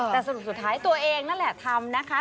แต่สรุปสุดท้ายตัวเองนั่นแหละทำนะคะ